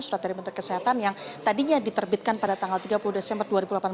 surat dari menteri kesehatan yang tadinya diterbitkan pada tanggal tiga puluh desember dua ribu delapan belas